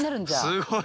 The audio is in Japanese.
すごい。